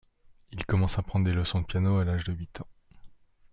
Il commence à prendre des leçons de piano à l'âge de huit ans.